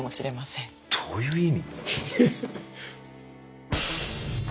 どういう意味？